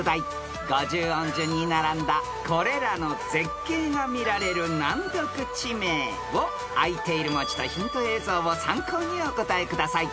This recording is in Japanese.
［５０音順に並んだこれらの絶景が見られる難読地名をあいている文字とヒント映像を参考にお答えください］